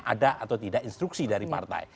ada atau tidak instruksi dari partai